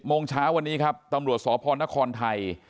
โมงเช้าวันนี้ครับตำรวจสพนครไทย